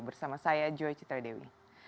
bersama saya joy citradewi